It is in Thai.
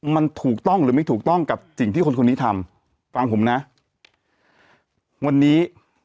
มันถูกต้องหรือไม่ถูกต้องกับสิ่งที่คนคนนี้ทำฟังผมนะวันนี้